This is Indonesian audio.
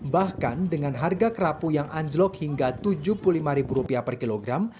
bahkan dengan harga kerabu yang anjlok hingga tujuh puluh lima ribu rupiah per kilogram